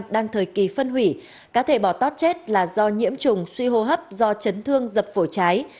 đang thời kỳ phân hủy cá thể bỏ tót chết là do nhiễm trùng suy hô hấp do chấn thương dập phổi trái